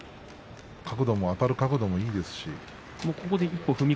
あたる角度もいいですし。